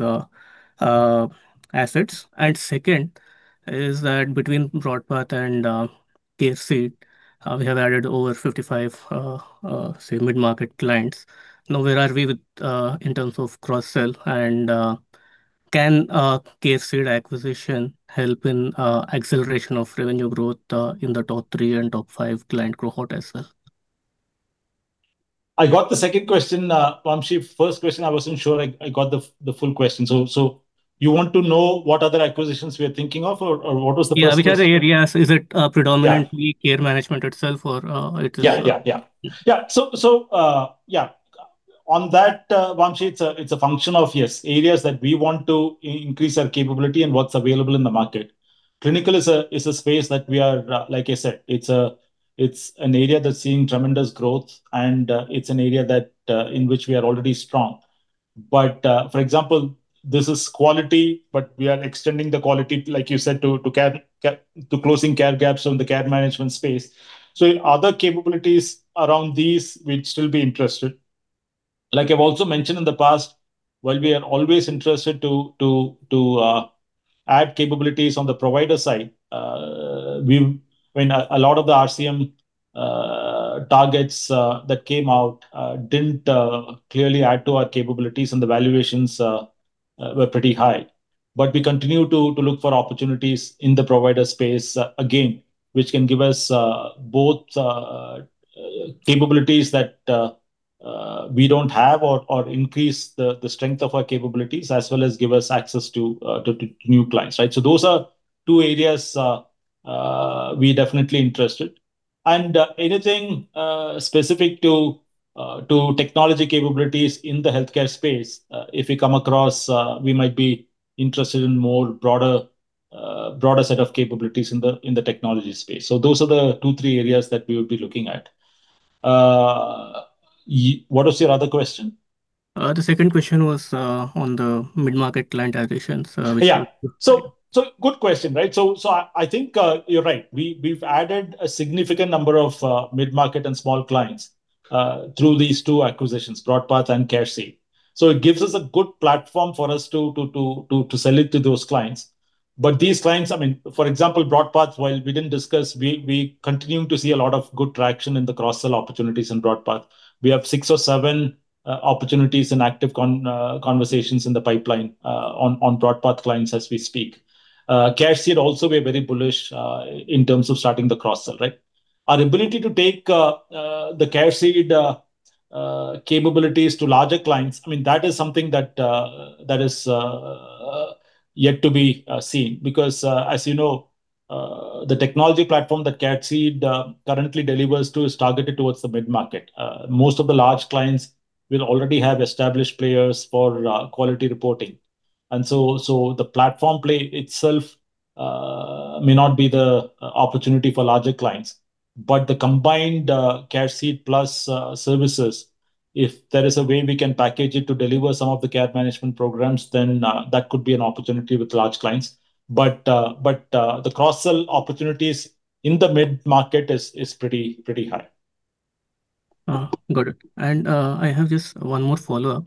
assets? Second is that between BroadPath and CareSeed, we have added over 55 mid-market clients. Where are we in terms of cross-sell, and can CareSeed acquisition help in acceleration of revenue growth in the top three and top five client cohort as well? I got the second question, Vamshi. First question, I wasn't sure I got the full question. You want to know what other acquisitions we are thinking of or what was the first question? Yeah. Which are the areas? Is it predominantly- Yeah care management itself or it is- Yeah. On that, Vamshi, it's a function of, yes, areas that we want to increase our capability and what's available in the market. Clinical is a space that, like I said, it's an area that's seeing tremendous growth and it's an area in which we are already strong. For example, this is quality, but we are extending the quality, like you said, to closing care gaps in the care management space. Other capabilities around these, we'd still be interested. Like I've also mentioned in the past, while we are always interested to add capabilities on the provider side, when a lot of the RCM targets that came out didn't clearly add to our capabilities and the valuations were pretty high. We continue to look for opportunities in the provider space, again, which can give us both capabilities that we don't have or increase the strength of our capabilities as well as give us access to new clients, right? Those are two areas we're definitely interested. Anything specific to technology capabilities in the healthcare space, if we come across, we might be interested in more broader set of capabilities in the technology space. Those are the two, three areas that we would be looking at. What was your other question? The second question was on the mid-market client acquisitions, which you- Yeah. Good question. I think you're right. We've added a significant number of mid-market and small clients through these two acquisitions, BroadPath and CareSeed. It gives us a good platform for us to sell it to those clients. These clients, for example, BroadPath, while we didn't discuss, we continue to see a lot of good traction in the cross-sell opportunities in BroadPath. We have six or seven opportunities and active conversations in the pipeline on BroadPath clients as we speak. CareSeed also, we're very bullish in terms of starting the cross-sell, right? Our ability to take the CareSeed capabilities to larger clients, that is something that is yet to be seen because, as you know, the technology platform that CareSeed currently delivers to is targeted towards the mid-market. Most of the large clients will already have established players for quality reporting. The platform play itself may not be the opportunity for larger clients. The combined CareSeed plus services, if there is a way we can package it to deliver some of the care management programs, then that could be an opportunity with large clients. The cross-sell opportunities in the mid-market is pretty high. Oh, got it. I have just one more follow-up.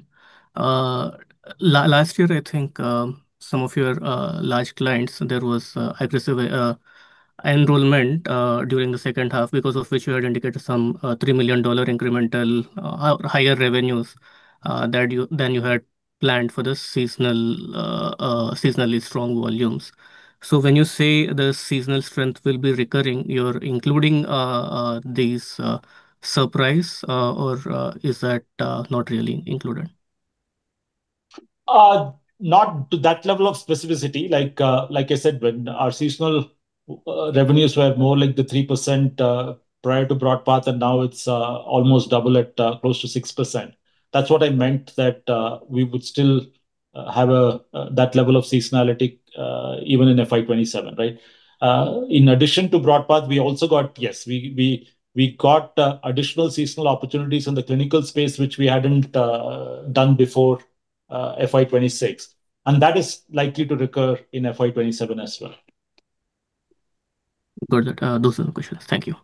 Last year, I think, some of your large clients, there was aggressive enrollment during the second half because of which you had indicated some $3 million incremental higher revenues than you had planned for the seasonally strong volumes. When you say the seasonal strength will be recurring, you're including these surprise, or is that not really included? Not to that level of specificity. Like I said, when our seasonal revenues were more like the 3% prior to BroadPath, and now it's almost double at close to 6%. That's what I meant that we would still have that level of seasonality even in FY 2027, right? In addition to BroadPath, we also got, yes, we got additional seasonal opportunities in the clinical space, which we hadn't done before FY 2026. That is likely to recur in FY 2027 as well. Got it. Those are the questions. Thank you.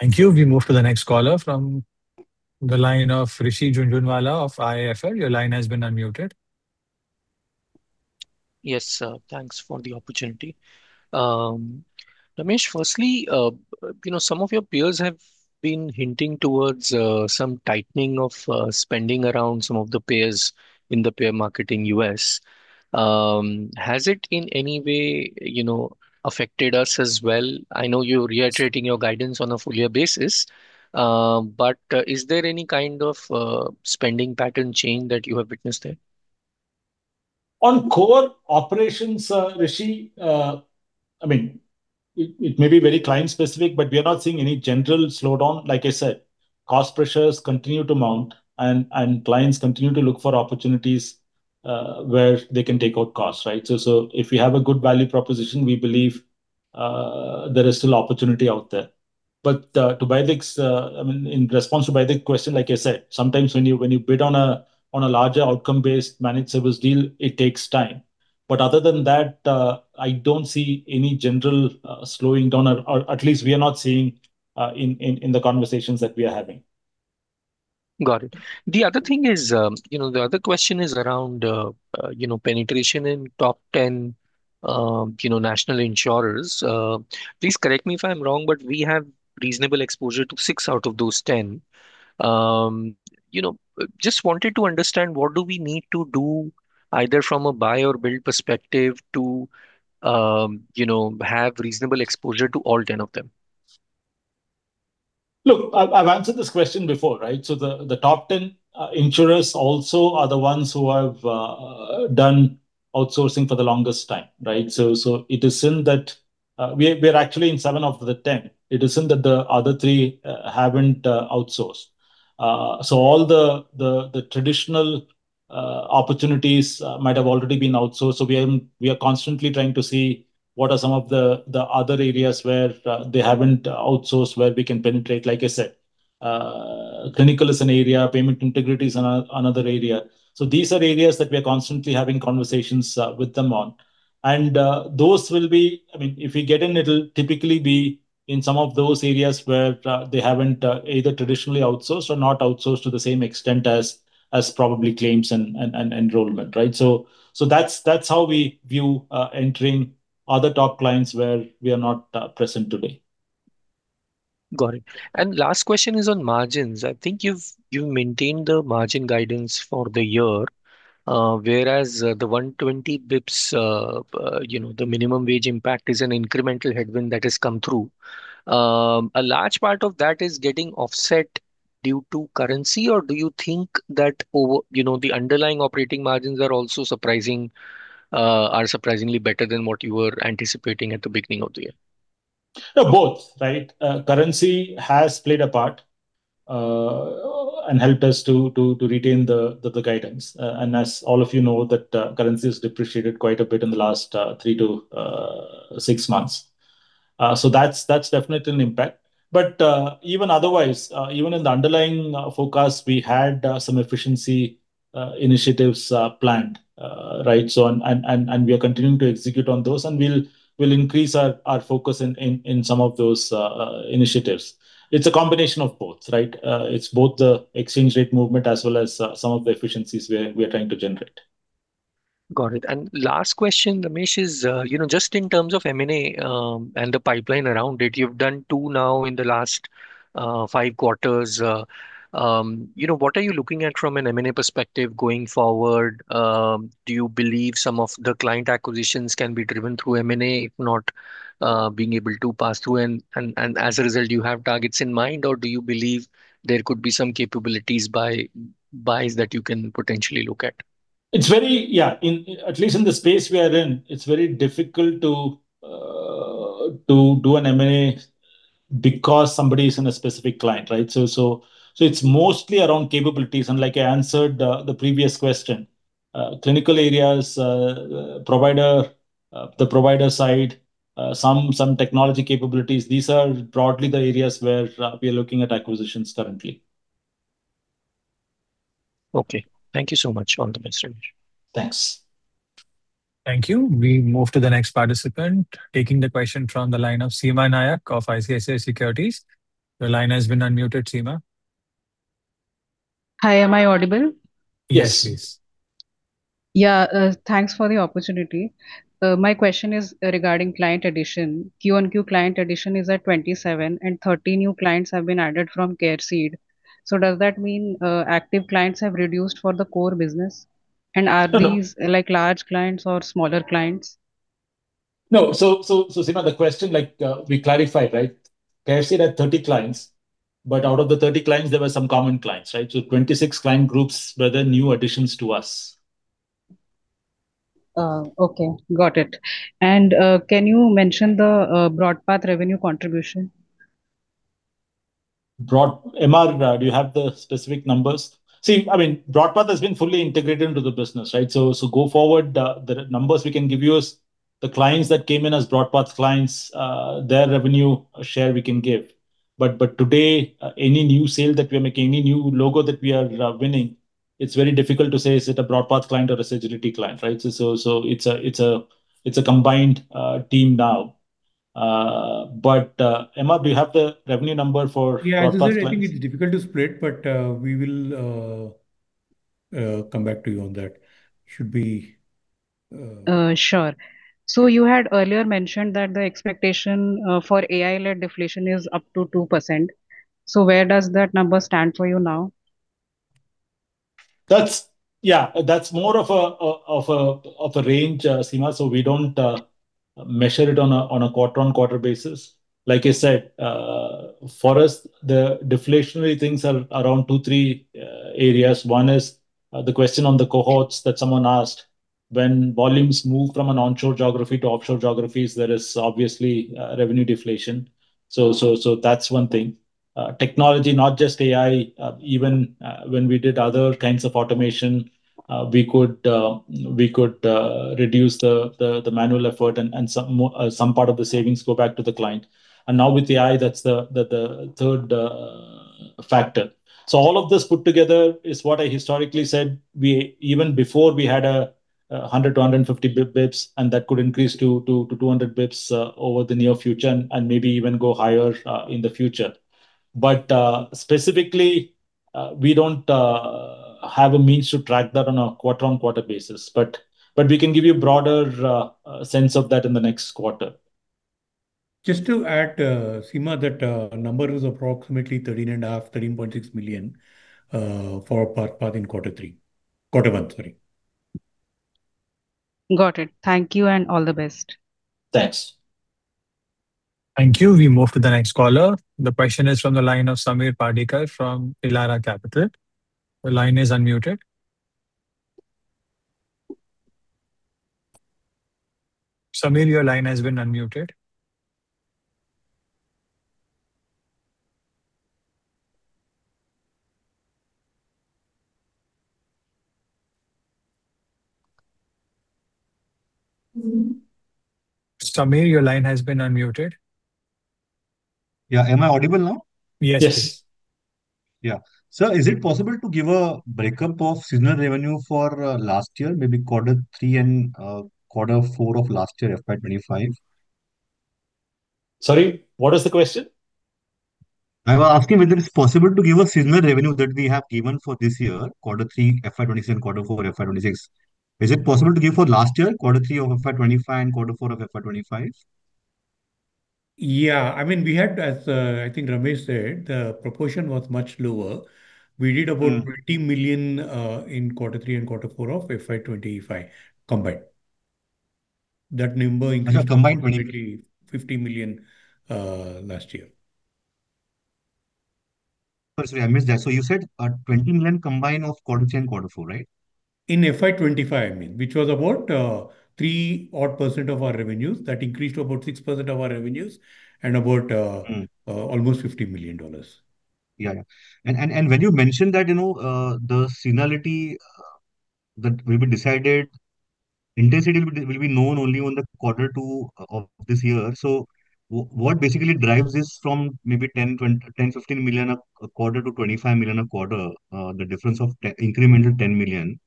Thank you. We move to the next caller from the line of Rishi Jhunjhunwala of IIFL. Your line has been unmuted. Yes. Thanks for the opportunity. Ramesh, firstly, some of your peers have been hinting towards some tightening of spending around some of the payers in the payer marketing U.S.. Has it in any way affected us as well? I know you're reiterating your guidance on a full-year basis, but is there any kind of spending pattern change that you have witnessed there? On core operations, Rishi, it may be very client-specific, we are not seeing any general slowdown. Like I said, cost pressures continue to mount clients continue to look for opportunities where they can take out costs, right? If we have a good value proposition, we believe there is still opportunity out there. In response to Baidik's question, like I said, sometimes when you bid on a larger outcome-based managed service deal, it takes time. Other than that, I don't see any gentle slowing down, or at least we are not seeing in the conversations that we are having. Got it. The other question is around penetration in top 10 national insurers. Please correct me if I'm wrong, we have reasonable exposure to six out of those 10. Just wanted to understand what do we need to do either from a buy or build perspective to have reasonable exposure to all 10 of them. Look, I've answered this question before, right? The top 10 insurers also are the ones who have done outsourcing for the longest time, right? We're actually in seven of the 10. It isn't that the other three haven't outsourced. All the traditional opportunities might have already been outsourced. We are constantly trying to see what are some of the other areas where they haven't outsourced where we can penetrate. Like I said, clinical is an area, payment integrity is another area. These are areas that we are constantly having conversations with them on. If we get in, it'll typically be in some of those areas where they haven't either traditionally outsourced or not outsourced to the same extent as probably claims and enrollment, right? That's how we view entering other top clients where we are not present today. Got it. Last question is on margins. I think you've maintained the margin guidance for the year, whereas the 120 basis points, the minimum wage impact is an incremental headwind that has come through. A large part of that is getting offset due to currency, or do you think that the underlying operating margins are surprisingly better than what you were anticipating at the beginning of the year? No, both, right? Currency has played a part and helped us to retain the guidance. As all of you know, that currency has depreciated quite a bit in the last three to six months. That's definitely an impact. Even otherwise, even in the underlying forecast, we had some efficiency initiatives planned, right? We are continuing to execute on those, and we'll increase our focus in some of those initiatives. It's a combination of both, right? It's both the exchange rate movement as well as some of the efficiencies we are trying to generate. Got it. Last question, Ramesh, is just in terms of M&A and the pipeline around it. You've done two now in the last five quarters. What are you looking at from an M&A perspective going forward? Do you believe some of the client acquisitions can be driven through M&A, if not being able to pass through? As a result, do you have targets in mind, or do you believe there could be some capabilities buys that you can potentially look at? At least in the space we are in, it's very difficult to do an M&A because somebody is in a specific client, right? It's mostly around capabilities. Like I answered the previous question, clinical areas, the provider side, some technology capabilities. These are broadly the areas where we are looking at acquisitions currently. Okay. Thank you so much. All the best, Ramesh. Thanks. Thank you. We move to the next participant, taking the question from the line of Seema Nayak of ICICI Securities. Your line has been unmuted, Seema. Hi, am I audible? Yes. Yes, please. Thanks for the opportunity. My question is regarding client addition. Q-on-Q client addition is at 27, and 30 new clients have been added from CareSeed. Does that mean active clients have reduced for the core business? Are these large clients or smaller clients? No. Seema, the question, we clarified, right? CareSeed had 30 clients, out of the 30 clients, there were some common clients, right? 26 client groups were the new additions to us. Okay, got it. Can you mention the BroadPath revenue contribution? MR, do you have the specific numbers? BroadPath has been fully integrated into the business, right? Go forward, the numbers we can give you is the clients that came in as BroadPath clients, their revenue share we can give. Today, any new sale that we are making, any new logo that we are winning, it's very difficult to say, is it a BroadPath client or a Sagility client, right? It's a combined team now. MR, do you have the revenue number for BroadPath clients? Yeah. I think it's difficult to split, we will come back to you on that. Sure. You had earlier mentioned that the expectation for AI-led deflation is up to 2%. Where does that number stand for you now? That's more of a range, Seema. We don't measure it on a quarter-on-quarter basis. Like I said, for us, the deflationary things are around two, three areas. One is the question on the cohorts that someone asked. When volumes move from an onshore geography to offshore geographies, there is obviously revenue deflation. That's one thing. Technology, not just AI, even when we did other kinds of automation, we could reduce the manual effort and some part of the savings go back to the client. Now with AI, that's the third factor. All of this put together is what I historically said, even before we had 100 basis points-150 basis points, and that could increase to 200 basis points over the near future and maybe even go higher in the future. Specifically, we don't have a means to track that on a quarter-on-quarter basis. We can give you a broader sense of that in the next quarter. Just to add, Seema, that number is approximately $13.5 million-$13.6 million for BroadPath in quarter three. Quarter one, sorry. Got it. Thank you and all the best. Thanks. Thank you. We move to the next caller. The question is from the line of Sameer Pardikar from Elara Capital. Your line is unmuted. Sameer, your line has been unmuted. Sameer, your line has been unmuted. Yeah. Am I audible now? Yes. Yes. Yeah. Sir, is it possible to give a breakup of seasonal revenue for last year, maybe quarter three and quarter four of last year, FY 2025? Sorry, what is the question? I was asking whether it's possible to give a seasonal revenue that we have given for this year, quarter three FY 2027, quarter four FY 2026. Is it possible to give for last year, quarter three of FY 2025 and quarter four of FY 2025? Yeah. As I think Ramesh said, the proportion was much lower. We did about $20 million in quarter three and quarter four of FY 2025 combined. That number increased. Combined $50 million last year. Sorry, I missed that. You said $20 million combined of quarter three and quarter four, right? In FY 2025, I mean, which was about 3% odd of our revenues. That increased to about 6% of our revenues and about almost $50 million. When you mentioned that the seasonality that will be decided, intensity will be known only on the quarter two of this year. What basically drives this from maybe 10 million-15 million a quarter to 25 million a quarter, the difference of incremental 10 million.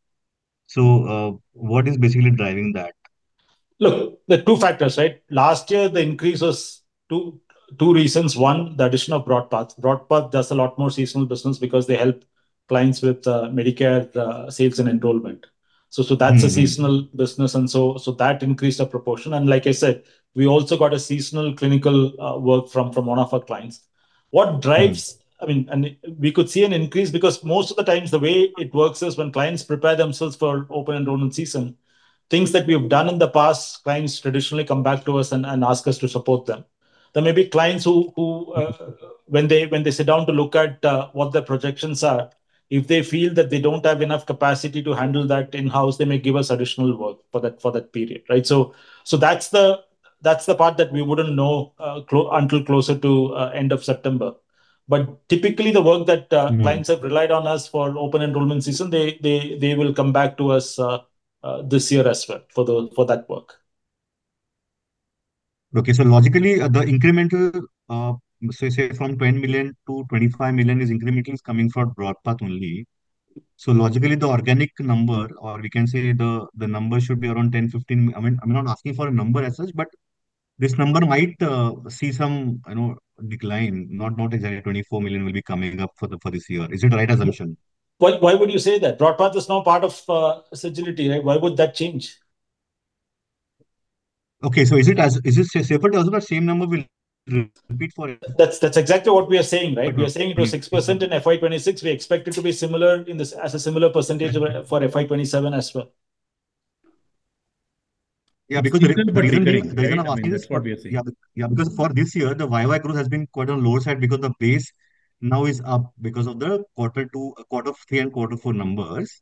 What is basically driving that? Look, there are two factors, right? Last year, the increase was two reasons. One, the addition of BroadPath. BroadPath does a lot more seasonal business because they help clients with Medicare sales and enrollment. That's a seasonal business, and so that increased the proportion. Like I said, we also got a seasonal clinical work from one of our clients. We could see an increase because most of the times the way it works is when clients prepare themselves for Open Enrollment season, things that we have done in the past, clients traditionally come back to us and ask us to support them. There may be clients who, when they sit down to look at what their projections are, if they feel that they don't have enough capacity to handle that in-house, they may give us additional work for that period. Right? That's the part that we wouldn't know until closer to end of September. Typically, the work that clients have relied on us for open enrollment season, they will come back to us this year as well for that work. Okay. Logically, the incremental, you say from 10 million-25 million is incrementals coming from BroadPath only. Logically, the organic number, or we can say the number should be around 10 million-15 million. I'm not asking for a number as such, but this number might see some decline, not exactly 24 million will be coming up for this year. Is it the right assumption? Why would you say that? BroadPath is now part of Sagility, right? Why would that change? Okay. Is it safe to assume that same number will repeat for it? That's exactly what we are saying, right? We are saying it was 6% in FY 2026. We expect it to be a similar percentage for FY 2027 as well. Yeah. Because- Similar percentage. They're going to-- That's what we are saying. For this year, the Y-o-Y growth has been quite on lower side, because the base now is up because of the quarter three and quarter four numbers.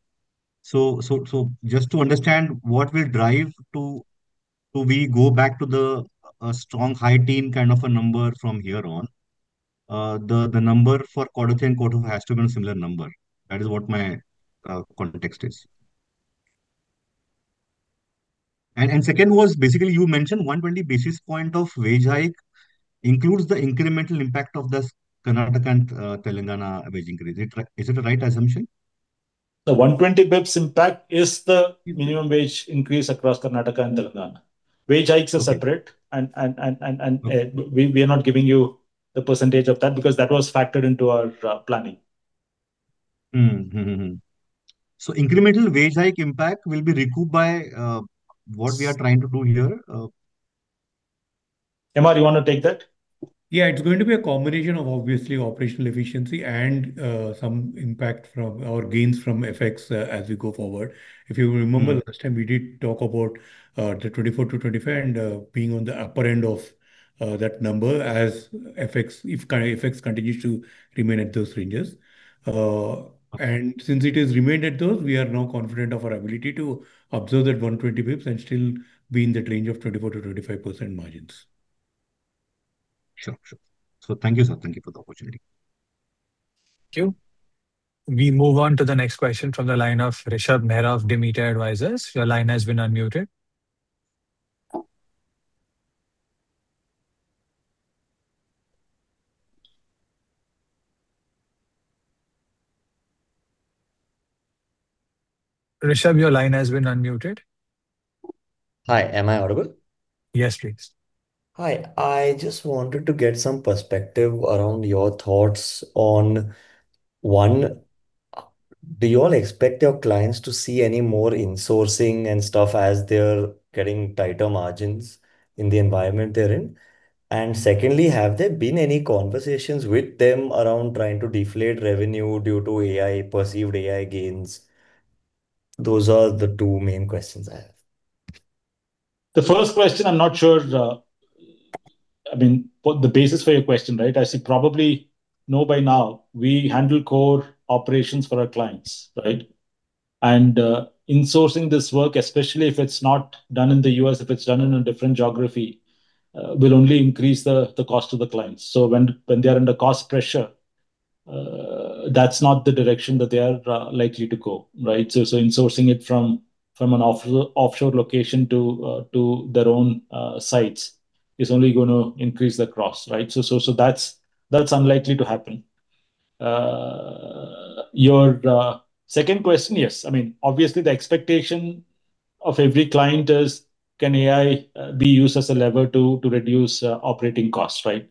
Just to understand what will drive to we go back to the strong high teen kind of a number from here on. The number for quarter three and quarter four has to be a similar number. That is what my context is. Second was, basically, you mentioned 120 basis points of wage hike includes the incremental impact of this Karnataka and Telangana wage increase. Is it the right assumption? The 120 basis points impact is the minimum wage increase across Karnataka and Telangana. Wage hikes are separate, we are not giving you the percentage of that was factored into our planning. Incremental wage hike impact will be recouped by what we are trying to do here? MR, you want to take that? Yeah. It's going to be a combination of obviously operational efficiency and some impact from our gains from FX as we go forward. If you remember last time, we did talk about the 24%-25%, and being on the upper end of that number as if FX continues to remain at those ranges. Since it has remained at those, we are now confident of our ability to absorb that 120 basis points and still be in that range of 24%-25% margins. Sure. Thank you, sir. Thank you for the opportunity. Thank you. We move on to the next question from the line of Rishabh Mehra of Demeter Advisors. Your line has been unmuted. Rishabh, your line has been unmuted. Hi. Am I audible? Yes, please. Hi. I just wanted to get some perspective around your thoughts on, one, do you all expect your clients to see any more insourcing and stuff as they're getting tighter margins in the environment they're in? Secondly, have there been any conversations with them around trying to deflate revenue due to perceived AI gains? Those are the two main questions I have. The first question, I'm not sure. The basis for your question, right? As you probably know by now, we handle core operations for our clients, right? Insourcing this work, especially if it's not done in the U.S., if it's done in a different geography, will only increase the cost to the clients. When they're under cost pressure, that's not the direction that they are likely to go. Right? Insourcing it from an offshore location to their own sites is only going to increase the cost. Right? That's unlikely to happen. Your second question, yes. Obviously, the expectation of every client is can AI be used as a lever to reduce operating costs, right?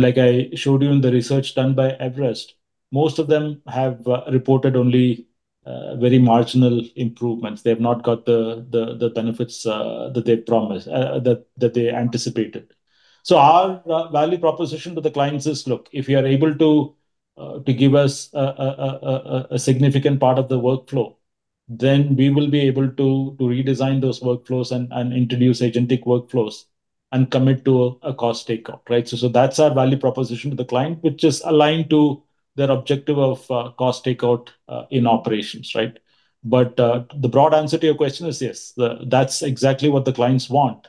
Like I showed you in the research done by Everest, most of them have reported only very marginal improvements. They've not got the benefits that they anticipated. Our value proposition to the clients is, look, if you are able to give us a significant part of the workflow, then we will be able to redesign those workflows and introduce agentic workflows and commit to a cost takeout. Right? That's our value proposition to the client, which is aligned to their objective of cost takeout in operations. Right? The broad answer to your question is, yes. That's exactly what the clients want.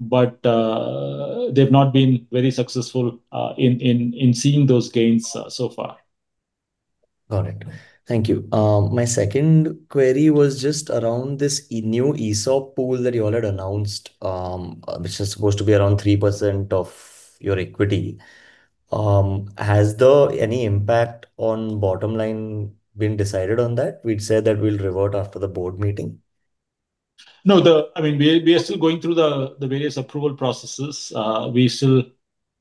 They've not been very successful in seeing those gains so far. Got it. Thank you. My second query was just around this new ESOP pool that you all had announced, which is supposed to be around 3% of your equity. Has any impact on bottom line been decided on that? We'd say that we'll revert after the Board meeting? No. We are still going through the various approval processes. We still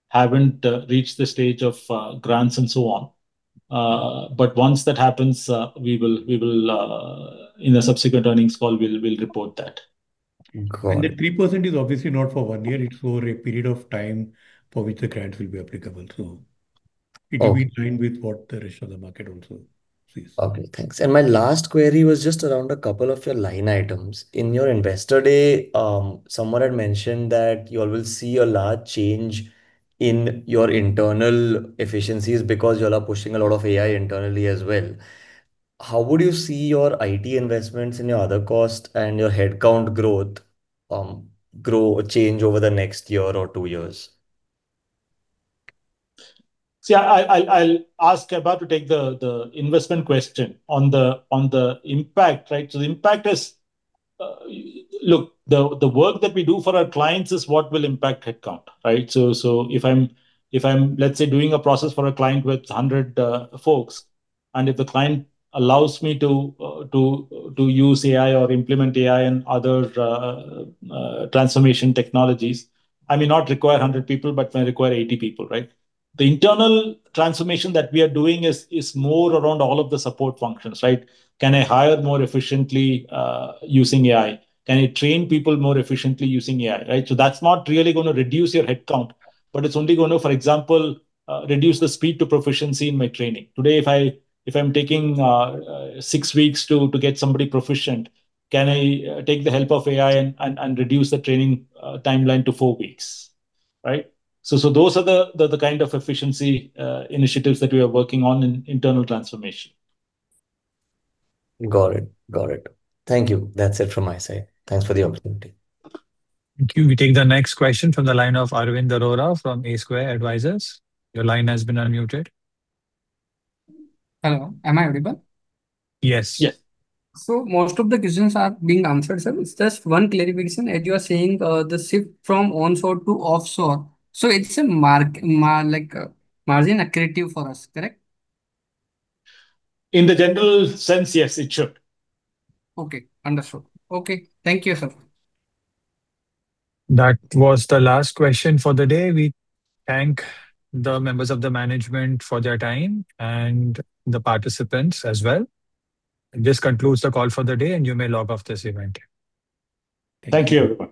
haven't reached the stage of grants and so on. Once that happens, in a subsequent earnings call, we'll report that. Got it. The 3% is obviously not for one year. It's over a period of time for which the grants will be applicable. It will be in-line with what the rest of the market also sees. Okay, thanks. My last query was just around a couple of your line items. In your Investor Day, someone had mentioned that you all will see a large change in your internal efficiencies because you all are pushing a lot of AI internally as well. How would you see your IT investments and your other cost and your head count growth change over the next year or two years? See, I'll ask [inaudible] to take the investment question. On the impact. The impact is, look, the work that we do for our clients is what will impact head count, right? If I'm, let's say, doing a process for a client with 100 folks, and if the client allows me to use AI or implement AI and other transformation technologies, I may not require 100 people, but may require 80 people, right? The internal transformation that we are doing is more around all of the support functions, right? Can I hire more efficiently using AI? Can I train people more efficiently using AI, right? That's not really going to reduce your head count, but it's only going to, for example, reduce the speed to proficiency in my training. Today, if I'm taking six weeks to get somebody proficient, can I take the help of AI and reduce the training timeline to four weeks, right? Those are the kind of efficiency initiatives that we are working on in internal transformation. Got it. Thank you. That's it from my side. Thanks for the opportunity. Thank you. We take the next question from the line of Arvind Arora from A Square Advisors. Your line has been unmuted. Hello, am I audible? Yes. Yes. Most of the questions are being answered, sir. It's just one clarification. As you are saying, the shift from onshore to offshore, it's a margin accretive for us, correct? In the general sense, yes, it should. Okay, understood. Okay, thank you, sir. That was the last question for the day. We thank the members of the management for their time and the participants as well. This concludes the call for the day, and you may log off this event. Thank you.